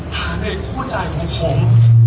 ฐานเอกผู้ใจของผม